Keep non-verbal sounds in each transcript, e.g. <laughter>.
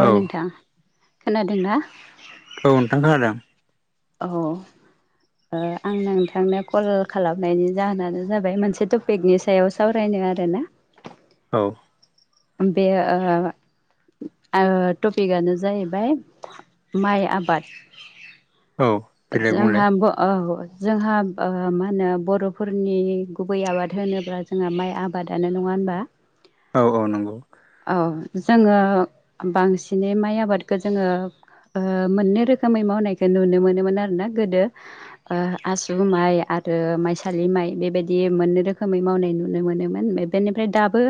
औ नोंथां खोनादोंना? औ नोंथां खोनादों औ आं नोंथांनो कल खालामनायनि जाहोनानो जाबाय मोनसे टपिकनि सायाव सावरायनो आरोना। औ बे टपिकआनो जाहैबाय माइ आबाद। औ देलाय बुंलाय जोंहा जोंहा मा होनो बर'फोरनि गुबै आबाद होनोब्ला जोंहा माइ आबादानो नङा होमबा? होनबा? औ औ नंगौ अ जोङो बांसिनै माइ आबादखौ जोङो ओ मोननै रोखोमै मावनायखौ नुनो मोनोमोन आरो ना गोदो आसु माइ आरो माइसालि माइ बेबायदि मोननै रोखोमै मावनाय नुनो मोनोमोन बेनिफ्राय दाबो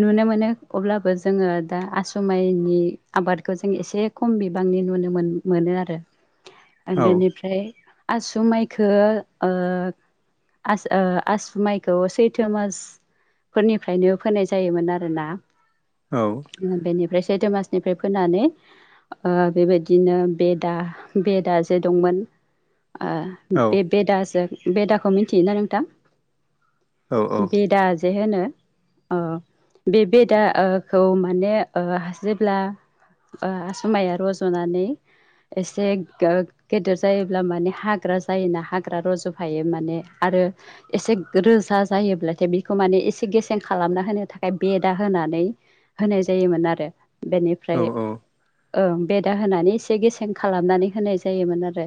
नुनो म अब्लाबो जोङो दा आसु माइनि आबादखौ जों एसे खम बिबांनि नुनो मोनो मोनो आरो औ बेनिफ्राय आसु माइखौ ओ आस आसु माइखौ सैथो मासफोरनिफ्रायनो फोनाय जायोमोन आरो ना औ जोङो बेनिफ्राय सैथो मासनिफ्राय फोनानै ओ बेबायदिनो बेदा बेदा जे दंमोन ओ औ बे बेदाजों बेदाखौ मिथियोना नोंथां औ औ बेदा जे होनो अ बे बेदाखौ माने ओ जेब्ला आसु माइया रज'नानै एसे गेदेर जायोब्ला माने हाग्रा जायोना हाग्रा रज'फायो माने आरो एसे रोजा जायोब्लाथाय बेखौ माने एसे गेसें खालामना होनो थाखाय बेदा होनानै होनाय जायोमोन आरो बेनिफ्राय औ ओ बेदा होनानै एसे गेसें खालामनानै होनाय जायोमोन आरो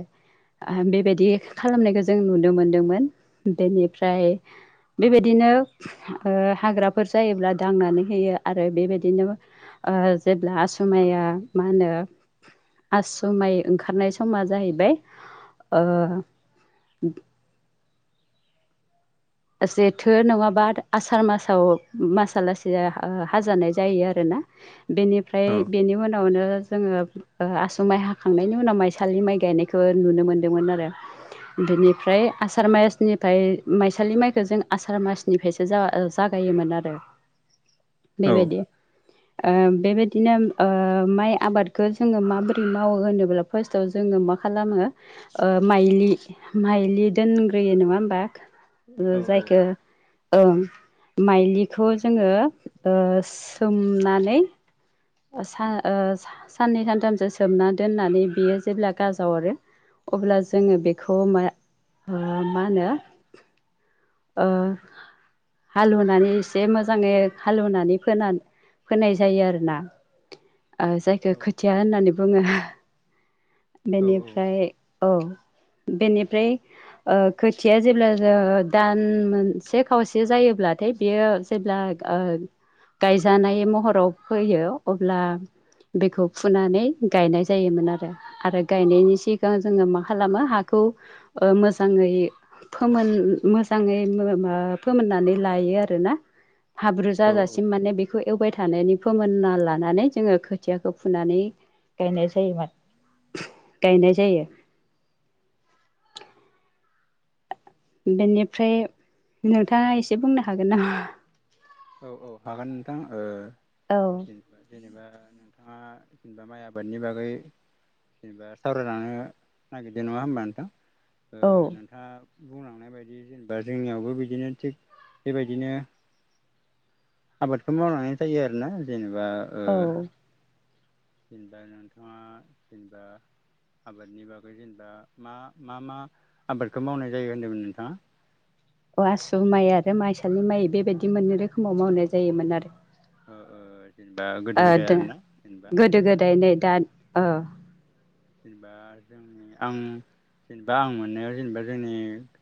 बेबायदि खालामनायखौ जों नुनो मोनदोंमोन बेनिफ्राय बेबायदिनो ओ हाग्राफोर जायोब्ला दांनानै होयो आरो बेबायदिनो ओ जेब्ला आसु माया ओ मा होनो ओ आसु माइ ओंखारनाय समा जाहैबाय <unintelligible> जेथो नङाबा आसार मासाव मासालासैनो हाजानाय जायो आरो बेनिफ्राय औ बेनि उनावनो जोङो आसु माइ हाखांनायनि उनाव माइसालि माइ गायनायखौ नुनो मोन्दोंमोन आरो बिनिफ्राय आसार मासनिफ्राय मा इसालि माइखौ जों आसार मासनिफ्रायसो जागायोमोन आरो बेबायदि ओ बेबायदिनो ओ माइ आबादखौ जोङो माबोरै मावो होनोब्ला फार्स्टआव जोङो मा खालामो माइलि माइलि दोनग्रोयो नङा होमबा जायखौ ओ माइलिखौ जोङो ओ सोमनानै सा ओ साननै सानथामसो सोमना दोननानै बियो जेब्ला गाजा हरो अब्ला जोङो बेखौ मा होनो ओ हालेवनानै फोयो ओ जायखौ खोथिया होननानै बुङो। बेनिफ्राय औ बेनिफ्राय ओ खोथिया जेब्ला दान मोनसे खावसे जायोब्लाथाय बेयो जेब्ला ओ गायजानाय महराव फैयो अब्ला बेखौ फुनानै गायनाय जायोमोन आरो आरो गायनायनि सिगां जोङो मा खालामो हाखौ मोजाङै फोमोन मोजांयै ओ फोमोननानै लायो आरोना हाब्रु औ जाजासिम माने बे बेखौ एवबाय थानायनि फोमोनना लानानै जोङो खोथियाखौ फुनानै गायनाय जायोमोन गायनाय जायो बेनिफ्राय नोंथाङा एसे बुंनो हागोन नामा औ औ हागोन नोंथां ओ औ जेनबा जेनेबा ओ नोंथाङा दा माइ आबादनि बागै जेनेबा सावरायलांनो नागिरददों नङा होमबा नोंथां ओ औ नोंथाङा बुंलांनाय बायदि जेनेबा जोंनियावबो बिदिनो थिग बेबायदिनो आबादखौ मावनानै जायो आरोना जेनेबा औ जेनबा नोंथाङा जेनबा आबादनि बागै जेनेबा मा मा मा आबादखौ मावनाय जायो होनदोंमोन नोंथाङा अ आसु माइ आरो माइसालि माइ बेबायदि मोननै रोखोमाव मावनाय जायोमोन आरो ओ जेनेबा गोदो अ गोदाय दा आरोना जेनेबा गोदो गोदाय नै दा अ जेनेबा जोंनि आं जेनेबा आं मोननायाव जेनेबा जोंनि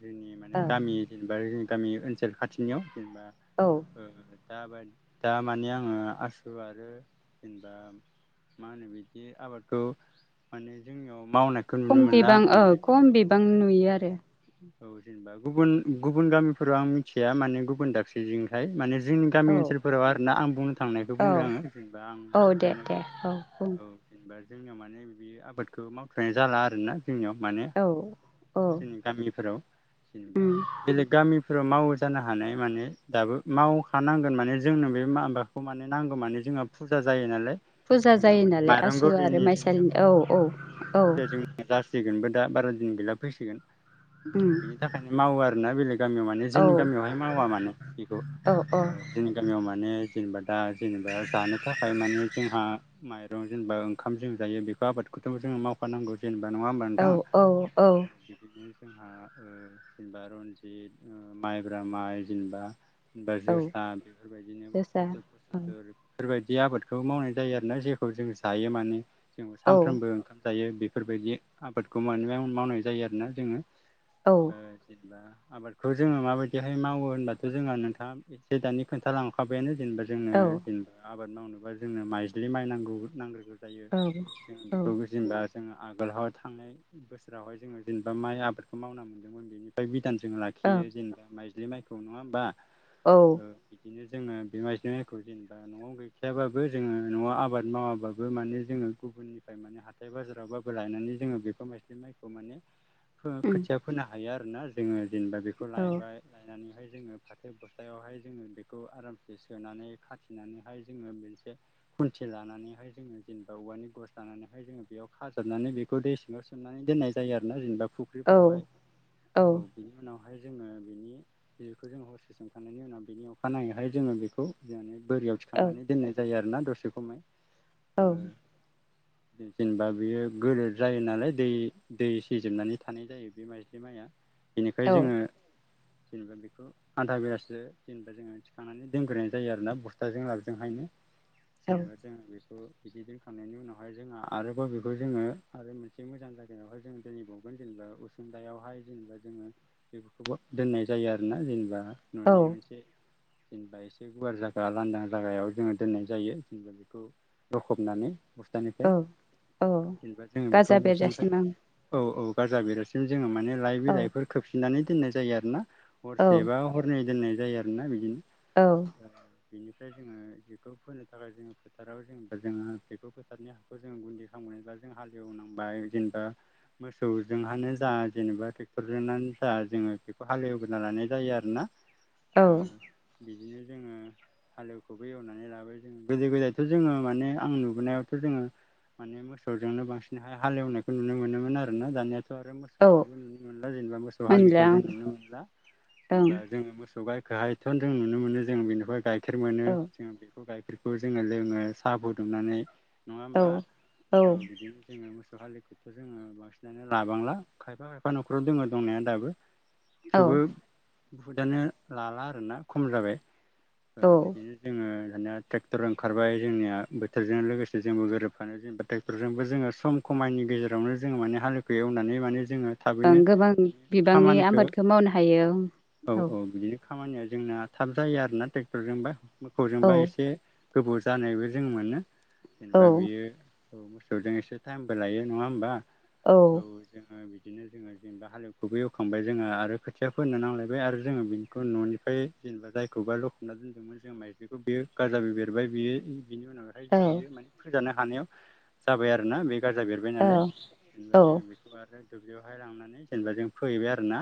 जोंनि माने औ गामि जेनेबा जोंनि गामि ओनसोल खाथिनियाव जेनेबा औ दााय दा माने आङो आसु आरो जेनेबा मा होनो बिदि आबादखौ माने जोंनियाव मावनायखौ नुनो खम मोनला बिबां आं औ माने खम औ बिबां जों नुयो आरो औ जेनेबा गुबुन गुबुन गामिफोराव आं मिथिया माने गुबुन दाबसेजोंहाय माने जोंनि औ गामि ओनसोलाव आर आरो न आं बुंनो थांनायखौ औ बुंदों आङो जेनेबा आं औ दे दे नुनायखौ औ बुं औ जेनेबा जोंनियाव माने बे आबादखौ मावथ्रनाय जाला आरोना जोंनियाव माने औ औ जोंनि गामि फोराव जेनेबा उम बेलेग गामि फोर माव जानो हानाय माने दाबो मावखानांगोन माने जोंनो बे माबाखौ माने नांगौ माने जोंहा फुजा जायो नालाय फुजा जोंहा जायो माने नालाय माइरं आसु आरो गलिनि जोंनि माइसालिनि औ औ बे औ औ फुजाया जों जासिगोनबो बन गै फैसिगनि उम अ बेनि थाखायनो मावो आरोना बेलेग गामियाव माने औ जोंनि गामियावहाय मावा माने बेखौ औ जोंनि गामियाव माने जेनेबा दा जेनेबा जानो थाखाय माने जोंहा माइरं जेनेबा ओंखाम ज जायो बेखौ आबाद थ' जोङो मावफानांगौ जेनेबा नङा होमबा नोंथां औ औ औ बिदिनो जोंहा जेनेबा रनजित माइब्रा माइ जेनेबा बा औ जोसा बेफोरबायदिनो जोसा फसल औ फसिथुर बेफोरबायदि ज आबादखौ मावनाय जायो आरोोना जेखौ जों जायो माने जों औ सानफ्रोमबो ओंखाम जायो बेफोरबायदि आबादखौ मावनाय जायो आरोना जोङो औ ओ जेनेबा आबादखौ जोङो माबायदिहाय मावो होनबाथ' जोंहा नोंथाङा ए जसे दानि खोन्थाालांखाबायानो जेनेबा जोंङनो औ जेनेबा आबाद मावनोबा जोंनो माइज्लि माइ नांगौ नांग्र जायो जों औ बेखौ जेनबा जोङो आगोलावाय थांनाय बोसोरावहाय जोङो जेनेबा माइ आबादखौ मावना मोनदोंमोन बेनिफ्राय गोदानजों औ लाखियो जेनेबा माइजलि माइखौ नङा होमबा औ बिदिनो जोङो बेमासिाइखौ जेनेबा न'आव गैखायाबाबो जोङो न'आव आबाद मावाबाबो माने जोङो गुबुननिफ्राय माने हाथाय बाजारावबाबो लायनानै जोङो बेफोर माइस्लि माइखौ माने उम खोथिया फोनो हायो आरोना जोङो जेनेबा बेखौ औ लायबाय लायनानैहाय जोङो फाथो गथायावहाय जोङो बेखौ आरामसे सोनानै खाथिनानैहाय जोङो मोनसे खुन्थि लानानैहाय जोङो जेनेबा औवानि गस लानानैहाय जोङो बेयाव खाजाबनानै बेखौ दै सिङाव सोमनानै दनाय जायो आरोोना जेनेबा औ औ फुख्रिफोरावहाय औ बिनि उनाव बेवहाय जोङो बेनि जिखौ जोंयो हरसे संखांनायनि उनाव बिनि अखानायैहाय जोङो बेखौ जे बोरियाव थिखांनानै दोननाय जायो आरोोना दसे खमै जेनेबा बेयो गोरोर जायो नालाय दै दै सिजोबनानै थानाय जायो बे माइजलि माइआ बेनिखाय जोङो जेनेबा बेखौ आधा बेलासो जेनेबा जोङो थिखांनानै दोनग्रोनाय जायो आरोोना बस्थाजों लाबजोंहायनो औ सेनबा जानो बे बेखौ बिदि दोनखांनायनि उनावहाय जोंहा आरोबाव बेखौ जोङो आरो मोनसे मोजां जायगायावहाय जों दिनैबाव जेनेबा उसुंदायावहाय जेनेबा जोङो बेफोरखौबो दोननाय जायो आरोना जेनेबा औ न'नि मोनसे जेनेबा एसे गुवार जाया लांदां जागायाव जोङो दोननाय जायो जेनेबा बेखौ रखबनानै बस् बस्तानिफ्राय औ औ जेनेबा जोङो बेखौ गाजा बस्थानिफ्राय बेरजासिम आं औ औ बाजार बेरासिम जोङो माने लाइ औ बिलाइफोर खोबसिननानै दोननाय जायो आरो ना औ हरसेबा हरनै दोननाय जायो आरोना बिदिनो औ बिनिफ्राय जोङो बेखौ फोनो थाखाय जोङो फोथाराव जेनेबा जोङो बेखौ फोथारनि हाखौ जोङो गुन्दै खालाम मोनबा जों हालेवनांबाय जेनेबा मोस सौजोंहानो जा जेनेबा टेक्टरजोनानो जा जोङो बेखौ हालेवग्रोना लानाय जायो आरो ना औ ओ बिदिनो जोङो हालेवखौबो एवनानै लाबाय जोङो गोदो गोदायथ' जोङो माने आं नुबोनायावथ' जोङो माने मोसौजोंनो बांसिनहाय हालेवनायखौ नुनो मोनोमोन आर ना दानियाथ थ आरो औ मोसौखौबो नुनो मोनला जेनबा मोसौ हालिखौ मोनला जोन नुनो मोनला आं जेनेबा जोङो मासौ गाइ गाहायथ' जों नुनो मोनो जों बेनिफ्राय गाइखेर मोनो ओं जों बे सौ गाइेरखौ जोङो लोङो साहा फुदुंनानै नङा होमबा औ बिदिनो जोङो मोसौ हालिखौथ जोङो बांसिनानो लाबांला खायफा खायफा न'खराव दोङो दंनाया दाबो औ थेवबो बहुदानो लाला आरोना खम जाबाय ओ औ बिदिनो जोङो दानिया टेक्टर ओंखारबाय जोंनिया बोथोरजों लोगोसे जोंबो गोरोबफानो जेनेबा टेक्टरजोंबो जोङो सम खम खमायनि गेजेरावनो जोङो माने हालेवखो एवनानै माने जोङो ओं थाबैनो गोबां माने बिबांनि खामानिखो आबादखौ मावनो हायो औ औ बिदिनो खामानिया जोंना थाब जायो आरोना टेक्टरजोंबो औ मोखौजोंबा एसे गोबाव जानायबो जों मोनो औ जेनबा बेयो औ मोसौजों एसे टाइमबो लायो नङा होमबा औ जोङो बिद दिनो जोङो जेनेबा हालेवखौबो एवखांबाय जोङो आरो खोथिया फोनो नांलायबाय आरो जोङो बिनखौ न'निफ्राय जेनेबा जायखौबा लखब'ना दोनदोंमोन जों माइखौ बेयो गाजाब बेरबाय बियो बिनि उनावहाय बियो माने फोजानो हानायाव जाबाय आरोना बे गारजा बेरबाय औ नालाय औ जोङो बेखौ आरो दुब्लियावहाय लांनानै जेनेबा जों फोहैबाय आरोना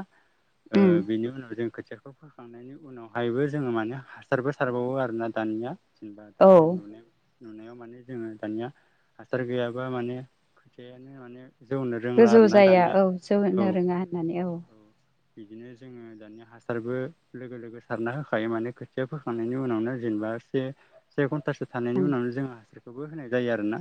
ओ उम बेनि उनाव जों खोथियाखौ फोखांनायनि उनावहायबो जोङो माने हासारबो सारबावो आरोना दानिया जेनबा दा औ आं नुनाय नुनायाव माने जोङो दानिया हासार गैयाबा माने खोथिायानो माने जौनो रोंला गोजौ आरोना जाया दानिया औ औ जौनो रोङा होननानै औ बिदिनो जोङो दानिया हासारबो लोगो लोगो सारना होखायो माने खोथिया फोखांनायनि उनावनो जो जेनबा ओसे से घन थासो औ थानायनि उनावनो जोंङो हासारखौबो होनाय जायो आरोना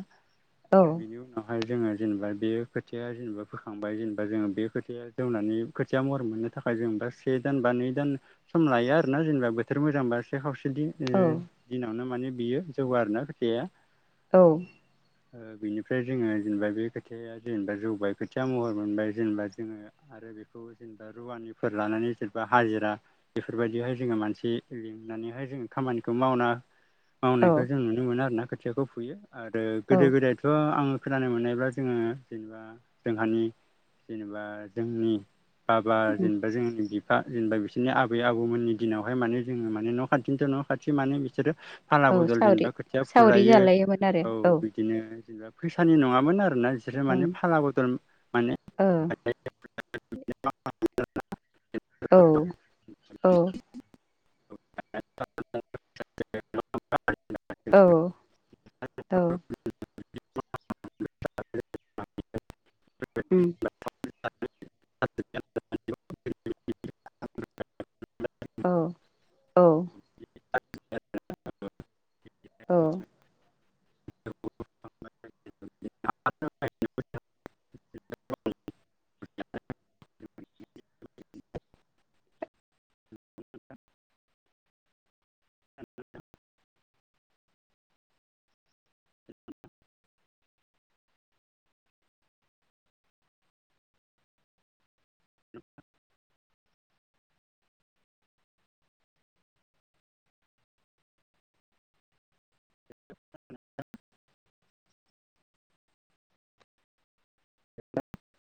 औ बेनि उनावहाय जोङो जेनबा बे खोथिया जेनबा फोखांबाय जेनबा जोङो बे खोथिया जौनानै खोथिया महर मोननो थाखाय जोंदा से दानबा नै दान सम लायो आरोना जेनबा बोथोर मोजांबा एसे खावस इदि ओ दिनावनो माने बियो जौवो आरोना खोथियाया औ। ओ बेनिफ्राय जोङो जेनबा बे खोथियाया जेनबा जौबाय खोथिया महर मोनबाय जेनबा जोङो आरो बेखौ जेनबा रुवानिफोर लानानै जेनबा हाजिरा बेफोरबायदिहाय जोङो मानसि लिंनानैहाय जों खामानिखौ मावना औ मावनायखौ जों नुनो मोनो आरोना खोथियाखौ फुयो आरो औ गोदो गोदायथ' आं खोनानो मोननायब्ला जोङो जेनेबा जोंहानि जेनेबा जोंनि बाबा जेनबा जों बिप फा जेनबा बिसोरनि आबै आबौमोननि दिनावहाय माने जोङो मान न' खाथिनिथ' न' खाथि माने बिसोरो। फाला औ बदल सावरि जेनबा खोथिया सावरि फुलायो जालायोमोन आरो औ बिदिनो जेनबा फैसानि नङामोन आरोना इसोरो ओं माने फाला बदल माने <unintelligible> <unintelligible> औ औ <unintelligible> औ औ <unintelligible> उम <unintelligible> औ औ <unintelligible> औ <unintelligible> <inaudible> <inaudible>